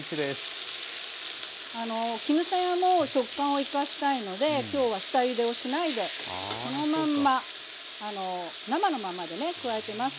あの絹さやも食感を生かしたいので今日は下ゆでをしないでそのまんま生のまんまでね加えてます。